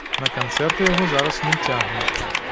На канцэрты яго зараз не цягне.